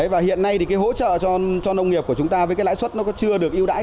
và hiện nay thì cái hỗ trợ cho nông nghiệp của chúng ta với cái lãi suất nó chưa được ưu đãi